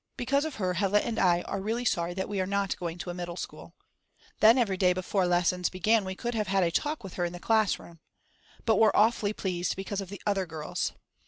Because of her Hella and I are really sorry that we are not going to a middle school. Then every day before lessons began we could have had a talk with her in the class room. But we're awfully pleased because of the other girls.